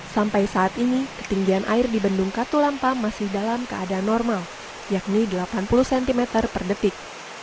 sampai saat ini ketinggian air di bendung katulampa masih dalam keadaan normal yakni delapan puluh cm per detik